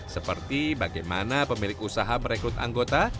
seperti bagaimana pemilik usaha merekrut anggota